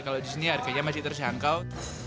kalau di sini harganya masih terjangkau